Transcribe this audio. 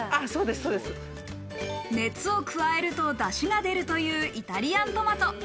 熱を加えると、だしが出るというイタリアントマト。